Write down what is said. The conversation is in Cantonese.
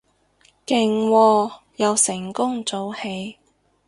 勁喎，又成功早起